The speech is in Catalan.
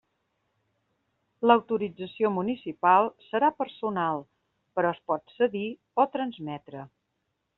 L'autorització municipal serà personal, però es pot cedir o transmetre.